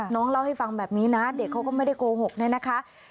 น้องเล่าให้ฟังแบบนี้นะเด็กเขาก็ไม่ได้โกหกเนี่ยนะคะ